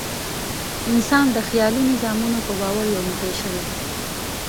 انسان د خیالي نظامونو په باور یو موټی شوی.